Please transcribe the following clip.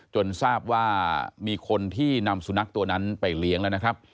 ทราบว่ามีคนที่นำสุนัขตัวนั้นไปเลี้ยงแล้วนะครับ